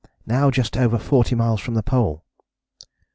Now just over 40 miles from the Pole."